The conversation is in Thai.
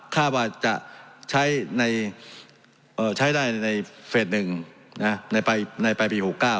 คาดว่าจะใช้ได้ในเฟส๑ในปลายปี๖๙